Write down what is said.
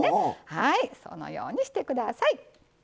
はいこのようにしてください。